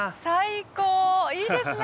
いいですね